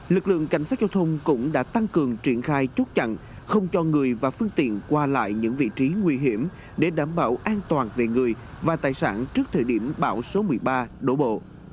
lực lượng cảnh sát giao thông cũng đã tăng cường triển khai chốt chặn không cho người và phương tiện qua lại những vị trí nguy hiểm để đảm bảo an toàn về người và tài sản trước thời điểm bão số một mươi ba đổ bộ